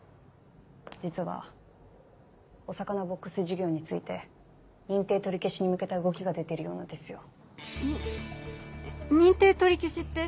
実はお魚ボックス事業について認定取り消しに向けた動きが出ているようなんですよ。に認定取り消しって？